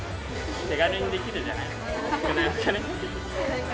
手軽にできるじゃないですか。